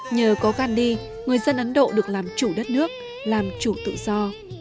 nhờ có gandhi người dân ấn độ được làm chủ đất nước làm chủ tự do